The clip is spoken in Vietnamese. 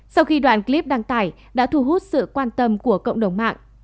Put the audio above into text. sau khi đoạn clip đăng tải đã thu hút sự quan tâm của cộng đồng mạng